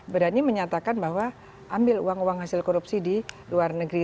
berani menyatakan bahwa ambil uang uang hasil korupsi di luar negeri